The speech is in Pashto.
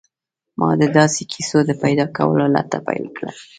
ما د داسې کیسو د پیدا کولو لټه پیل کړه